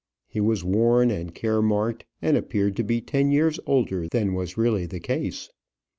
He was worn and care marked, and appeared to be ten years older than was really the case.